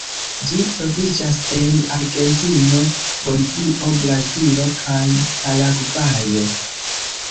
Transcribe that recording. Ĝi troviĝas en Argentino, Bolivio, Brazilo kaj Paragvajo.